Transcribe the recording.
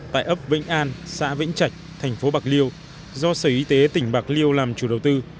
tại ấp vĩnh an xã vĩnh trạch thành phố bạc liêu do sở y tế tỉnh bạc liêu làm chủ đầu tư